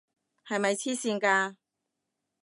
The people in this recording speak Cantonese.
係咪癡線㗎？